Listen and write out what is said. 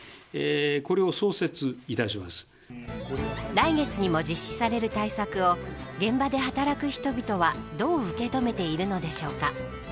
来月にも実施される対策を現場で働く人々はどう受け止めているのでしょうか。